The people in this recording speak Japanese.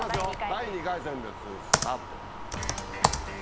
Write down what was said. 第２回戦ですスタート。